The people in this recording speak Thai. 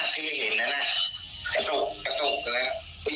ผมถึงได้หยิบกระตับขึ้นมาถ่ายเขาก็กระตุกกระทืบ